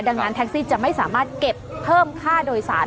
ดังนั้นแท็กซี่จะไม่สามารถเก็บเพิ่มค่าโดยสาร